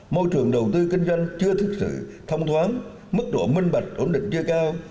môi trường đầu tư kinh doanh chưa thực sự thông thoáng mức độ minh bạch ổn định chưa cao